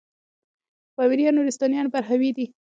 پامـــــیـــریــــان، نورســــتانــیان براهــــوی دی